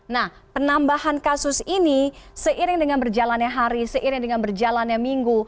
nah penambahan kasus ini seiring dengan berjalannya hari seiring dengan berjalannya minggu